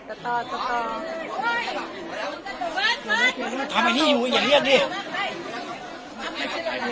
สตอครับสตอไม่ใช่สตอแหวนแหวนฮะสตอสตอสตอทำไมนี่อยู่อย่าเรียกดิ